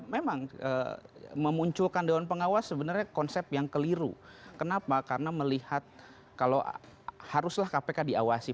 memang memunculkan dewan pengawas sebenarnya konsep yang keliru kenapa karena melihat kalau haruslah kpk diawasi